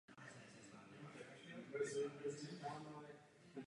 Lze ho použít také jako nástroj pro psaní knih nebo poznámek.